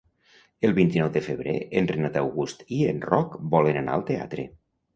El vint-i-nou de febrer en Renat August i en Roc volen anar al teatre.